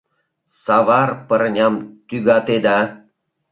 Савар пырням тӱгатеда.